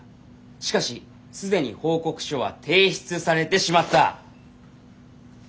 しかしすでに報告書は提出されてしまった」。